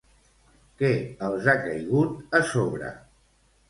Què els ha caigut a sobre?